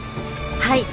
はい。